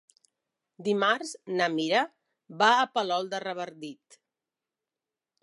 Dimarts na Mira va a Palol de Revardit.